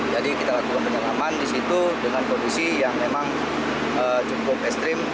jadi kita lakukan penyelaman di situ dengan posisi yang memang cukup ekstrim